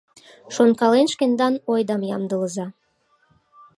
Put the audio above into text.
Шонкален, шкендан ойдам ямдылыза...